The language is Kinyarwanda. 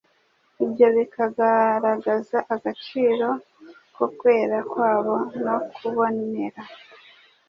ibyo bikagaragaza agaciro ko kwera kwabo no kubonera;